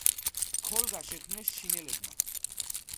ქოლგა შექმნეს ჩინელებმა.